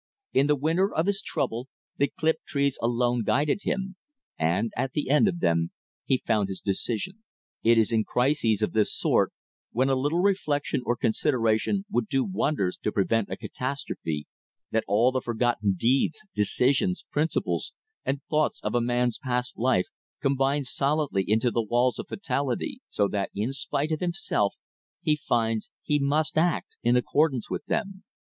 In the winter of his trouble the clipped trees alone guided him, and at the end of them he found his decision. It is in crises of this sort, when a little reflection or consideration would do wonders to prevent a catastrophe, that all the forgotten deeds, decisions, principles, and thoughts of a man's past life combine solidly into the walls of fatality, so that in spite of himself he finds he must act in accordance with them.